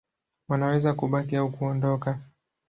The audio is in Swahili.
Wanaweza kubaki au kuondoka.